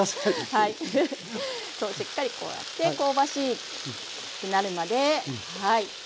そうしっかりこうやって香ばしくなるまで焼いて下さい。